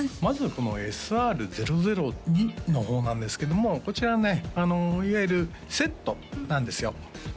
まずこのＳＲ−００２の方なんですけどもこちらねいわゆるセットなんですよ